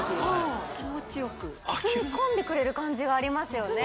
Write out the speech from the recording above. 気持ちよく包み込んでくれる感じがありますよね